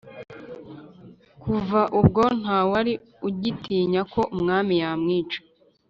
kuva ubwo ntawari ugitinya ko umwami yamwica.